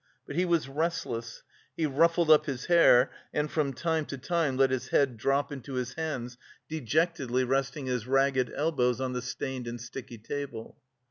But he was restless; he ruffled up his hair and from time to time let his head drop into his hands dejectedly resting his ragged elbows on the stained and sticky table.